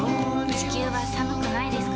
地球は寒くないですか？